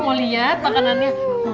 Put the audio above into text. mau lihat makanannya